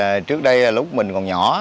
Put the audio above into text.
thực sự thì trước đây lúc mình còn nhỏ